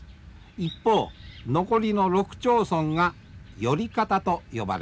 一方残りの６町村が寄方と呼ばれます。